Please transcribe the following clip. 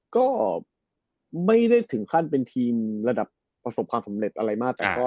ก็ไม่ได้ถึงขั้นเป็นทีมระดับประสบความสำเร็จอะไรมากแต่ก็